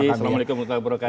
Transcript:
assalamualaikum wr wb